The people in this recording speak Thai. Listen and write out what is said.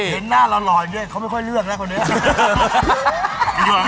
เห็นหน้าเราหล่อยด้วยเขาไม่ค่อยเลือกนะคนเดียว